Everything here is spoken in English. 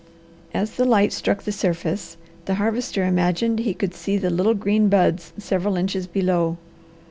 As the light struck the surface the Harvester imagined he could see the little green buds several inches below.